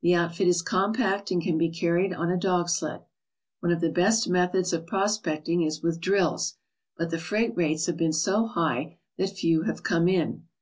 The outfit is compact and can be carried on a dog sled. One of the best methods of pros pecting is with drills, but the freight rates have been so high that few have come in.